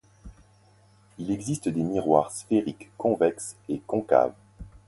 Il existe des miroirs sphériques convexes et concaves.